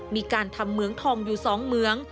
มีการทำเหมืองทองอยู่๒เหมือง